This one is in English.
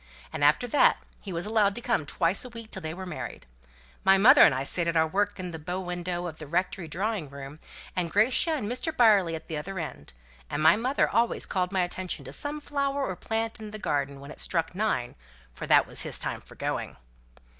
And after that he was allowed to come twice a week till they were married. My mother and I sate at our work in the bow window of the Rectory drawing room, and Gratia and Mr. Byerley at the other end; and my mother always called my attention to some flower or plant in the garden when it struck nine, for that was his time for going.